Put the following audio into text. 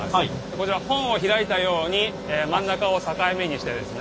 こちら本を開いたように真ん中を境目にしてですね